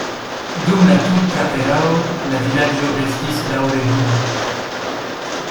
Dum la turka erao la vilaĝo restis daŭre viva.